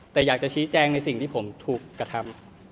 แต่อยากจะชี้แจงในสิ่งที่ผมถูกกระทำ